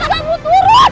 bapak saya mau turun